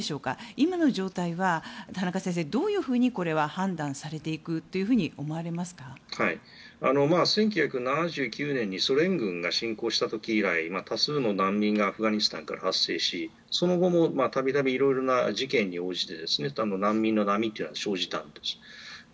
今の状態は、田中先生どういうふうに判断されていくと１９７９年にソ連軍が侵攻した時以来多数の難民がアフガニスタンから発生しその後もたびたびいろいろな事件に応じて難民の波というのは生じたんです。